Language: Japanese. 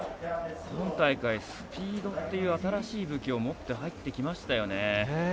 今大会スピードという新しい武器を持って入ってきましたよね。